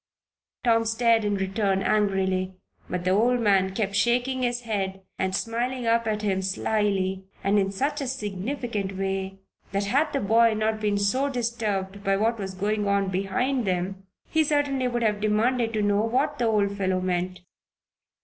Tom stared in return angrily, but the old man kept shaking his head and smiling up at him slily and in such a significant way that, had the boy not been so disturbed by what was going on behind them, he certainly would have demanded to know what the old fellow meant.